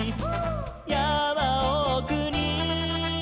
「やまおくに」